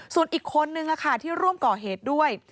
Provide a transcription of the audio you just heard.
ส่วนอีกคนนึงที่ร่วมก่อเหตุด้วย